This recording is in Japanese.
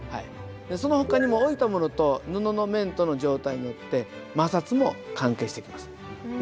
そのほかにも置いたモノと布の面との状態によって摩擦も関係してきます。